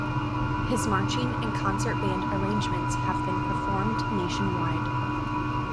His marching and concert band arrangements have been performed nationwide.